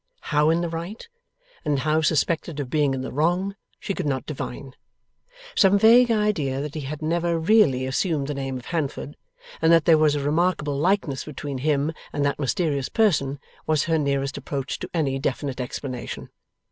How in the right, and how suspected of being in the wrong, she could not divine. Some vague idea that he had never really assumed the name of Handford, and that there was a remarkable likeness between him and that mysterious person, was her nearest approach to any definite explanation.